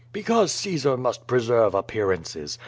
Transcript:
"Because Caesar must preserve appearances.